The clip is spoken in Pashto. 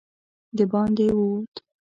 د باندې ووت.